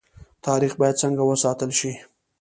تاریخ باید څنګه وساتل شي؟